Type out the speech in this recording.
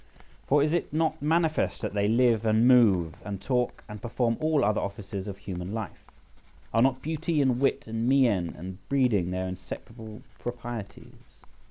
For is it not manifest that they live, and move, and talk, and perform all other offices of human life? Are not beauty, and wit, and mien, and breeding their inseparable proprieties?